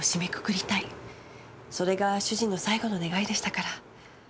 それが主人の最後の願いでしたから。